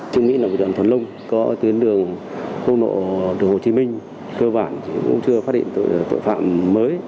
trường mỹ là một đoàn thuần lông có tuyến đường hô nộ đồ hồ chí minh cơ bản cũng chưa phát hiện tội phạm mới